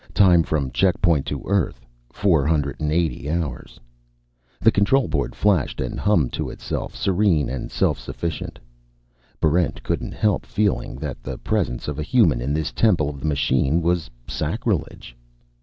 Time from Checkpoint to Earth, 480 hours. The control board flashed and hummed to itself, serene and self sufficient. Barrent couldn't help feeling that the presence of a human in this temple of the machine was sacrilege.